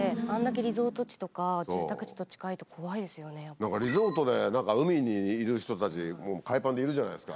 何かリゾートで海にいる人たち海パンでいるじゃないですか。